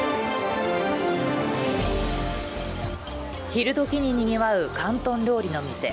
昼どきににぎわう広東料理の店。